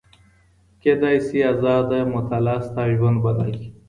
کيدای سي ازاده مطالعه ستا ژوند بدل کړي.